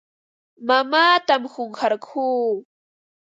Mamaatam qunqarquu.